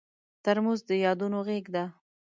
ترموز د یادونو غېږ ده.